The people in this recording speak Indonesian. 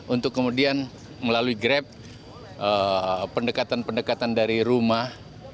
untuk kemudian melalui grab pendekatan pendekatan dari rumah